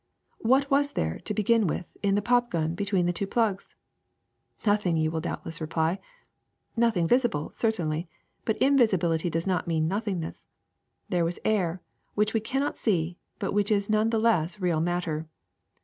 What was there, to begin with, in the pop gun, between the two plugs ? Nothing, you will doubtless reply. Nothing visible, certainly; but invisibility does not mean nothingness. There was air, which we cannot see, but which is none the less real matter.